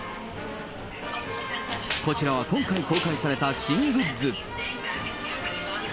こちらは今回公開された新グッズ。